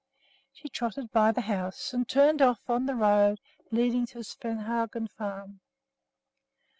She trotted by the house and turned off on the road leading to Svehaugen Farm.